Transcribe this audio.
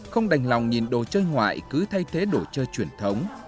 không đành lòng nhìn đồ chơi ngoại cứ thay thế đồ chơi truyền thống